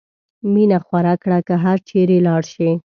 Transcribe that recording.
مینه خوره کړه که هر چېرې لاړ شې.